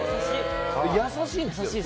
優しいんですよ。